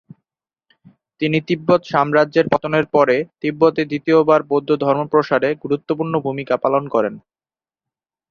তিনি তিব্বত সাম্রাজ্যের পতনের পরে তিব্বতে দ্বিতীয়বার বৌদ্ধধর্ম প্রসারে গুরুত্বপূর্ণ ভূমিকা পালন করেন।